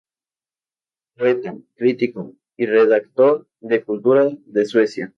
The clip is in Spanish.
Poeta, crítico y redactor de cultura de Suecia.